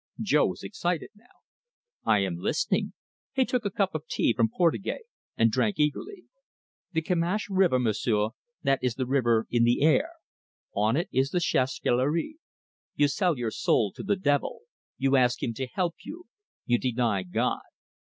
Jo was excited now. "I am listening." He took a cup of tea from Portugais and drank eagerly. "The Kimash River, M'sieu', that is the river in the air. On it is the chasse galerie. You sell your soul to the devil; you ask him to help you; you deny God.